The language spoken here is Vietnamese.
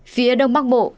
phía đông bắc bộ